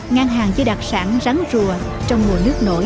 ngang hàng với đặc sản rắn rùa trong mùa nước nổi